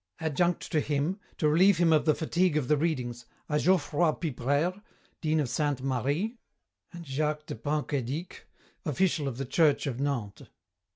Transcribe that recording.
Adjunct to him, to relieve him of the fatigue of the readings, are Geoffroy Pipraire, dean of Sainte Marie, and Jacques de Pentcoetdic, Official of the Church of Nantes.